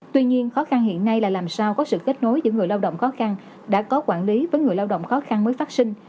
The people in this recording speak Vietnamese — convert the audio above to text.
tuy nhiên khó khăn hiện nay là làm sao có sự kết nối giữa người lao động khó khăn đã có quản lý với người lao động khó khăn mới phát sinh